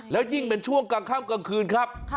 แล้วยิ่งเป็นช่วงกลางค่ำกลางคืนครับ